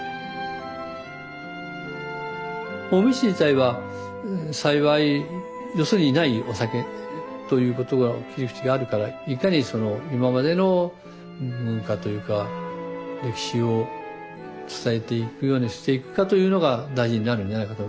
保命酒自体は幸いよそにないお酒ということが切り口があるからいかにその今までの文化というか歴史を伝えていくようにしていくかというのが大事になるんじゃないかと。